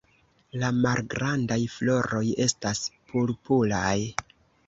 La malgrandaj floroj estas purpuraj.